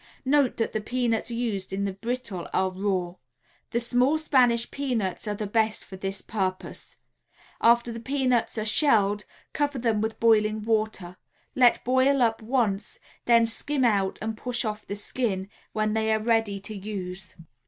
Note that the peanuts used in the brittle are raw. The small Spanish peanuts are the best for this purpose. After the peanuts are shelled, cover them with boiling water, let boil up once, then skim out and push off the skin, when they are ready to use.